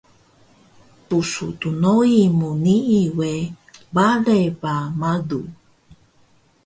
Pusu dnoi mu nii we bale ba malu